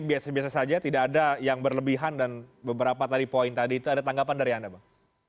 biasa biasa saja tidak ada yang berlebihan dan beberapa tadi poin tadi itu ada tanggapan dari anda bang